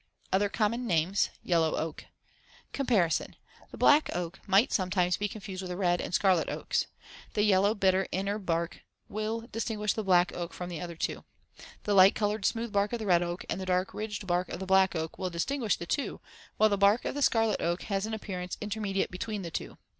Other common names: Yellow oak. Comparisons: The black oak might sometimes be confused with the red and scarlet oaks. The yellow, bitter inner bark will distinguish the black oak from the other two. The light colored, smooth bark of the red oak and the dark, ridged bark of the black oak will distinguish the two, while the bark of the scarlet oak has an appearance intermediate between the two.